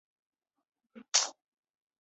本表尚不包括旧税关。